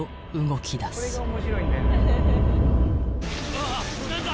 「ああっ何だ？